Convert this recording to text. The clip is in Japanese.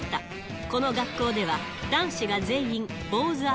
この学校では、男子が全員、坊主頭。